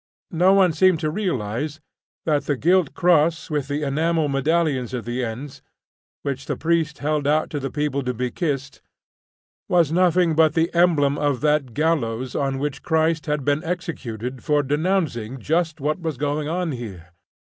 No one seemed to realise that the gilt cross with the enamel medallions at the ends, which the priest held out to the people to be kissed, was nothing but the emblem of that gallows on which Christ had been executed for denouncing just what was going on here.